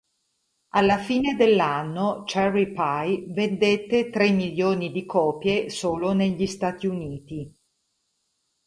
Alla fine dell'anno, "Cherry Pie" vendette tre milioni di copie solo negli Stati Uniti.